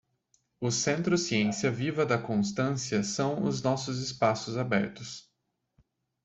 o Centro Ciência Viva de Constância são os nossos espaços abertos.